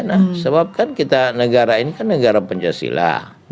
nah sebab kan kita negara ini kan negara pancasila